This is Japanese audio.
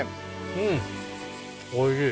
うんおいしい。